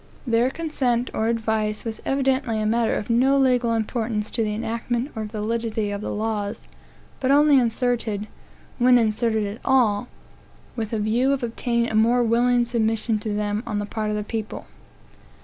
Their consent or advice was evidently a matter of no legal importance to the enactment or validity of the laws, but only inserted, when inserted at all, with a view of obtaining a more willing submission to them on the part of the people.